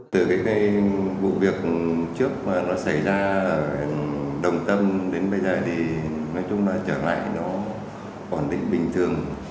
từ cái vụ việc trước mà nó xảy ra ở đồng tâm đến bây giờ thì nói chung nó trở lại nó ổn định bình thường